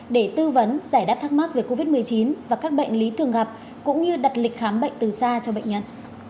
để tư vấn giải đáp thắc mắc về covid một mươi chín và các bệnh lý thường gặp cũng như đặt lịch khám bệnh từ xa cho bệnh nhân